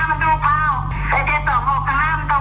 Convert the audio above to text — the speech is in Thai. ๗๒๖นี้ได้แทนปะ